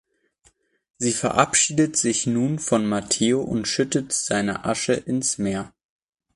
Sie verabschiedet sich nun von Matteo und schüttet seine Asche ins Meer.